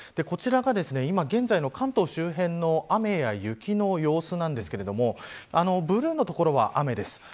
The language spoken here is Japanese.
こちらが今現在の関東周辺の雨や雪の様子なんですけれどもブルーの所は雨です。